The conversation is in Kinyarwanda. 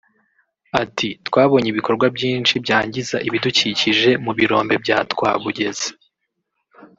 Ati “ Twabonye ibikorwa byinshi byangiza ibidukikije mu birombe bya Twabugezi